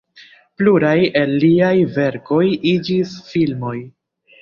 Pluraj el liaj verkoj iĝis filmoj.